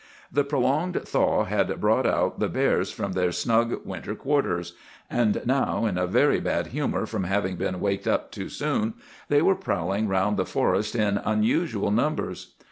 "The prolonged thaw had brought out the bears from their snug winter quarters; and now, in a very bad humor from having been waked up too soon, they were prowling through the forest in unusual numbers.